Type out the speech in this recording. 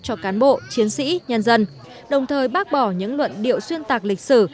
cho cán bộ chiến sĩ nhân dân đồng thời bác bỏ những luận điệu xuyên tạc lịch sử